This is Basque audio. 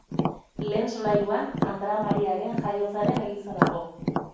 Lehen solairuan Andra Mariaren Jaiotzaren eliza dago.